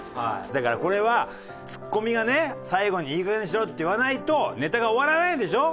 だからこれはツッコミがね最後に「いいかげんにしろ！」って言わないとネタが終わらないでしょ？